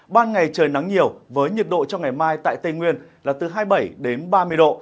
các ngày trời nắng nhiều với nhiệt độ cho ngày mai tại tây nguyên là từ hai mươi bảy ba mươi độ